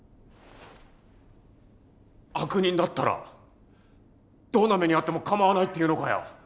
悪人だったらどんな目に遭っても構わないって言うのかよ！